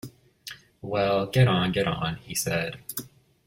“Well, get on, get on,” he said.